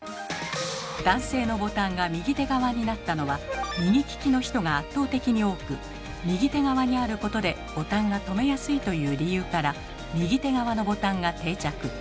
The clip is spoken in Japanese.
男性のボタンが右手側になったのは右利きの人が圧倒的に多く右手側にあることでボタンが留めやすいという理由から右手側のボタンが定着。